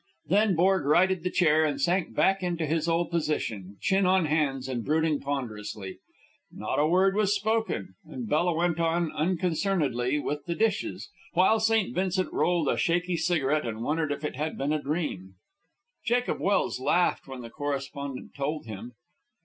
Then Borg righted the chair and sank back into his old position, chin on hands and brooding ponderously. Not a word was spoken, and Bella went on unconcernedly with the dishes, while St. Vincent rolled, a shaky cigarette and wondered if it had been a dream. Jacob Welse laughed when the correspondent told him.